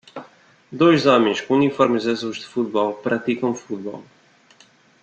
Dois homens com uniformes azuis de futebol praticam futebol.